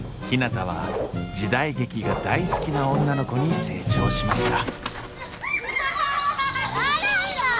ひなたは時代劇が大好きな女の子に成長しました笑うな！